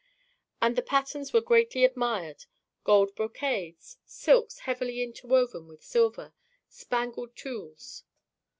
And the patterns were greatly admired: gold brocades; silks heavily interwoven with silver; spangled tulles.